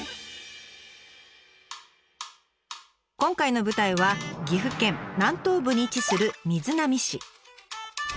今回の舞台は岐阜県南東部に位置する瑞浪市。